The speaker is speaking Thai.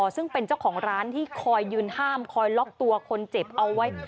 ซึ่งเป็นเจ้าของร้านที่คอยยืนห้ามคอยล็อกตัวคนเจ็บเอาไว้